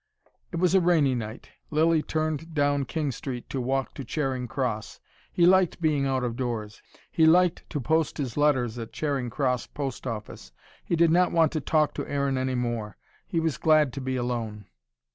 It was a rainy night. Lilly turned down King Street to walk to Charing Cross. He liked being out of doors. He liked to post his letters at Charing Cross post office. He did not want to talk to Aaron any more. He was glad to be alone.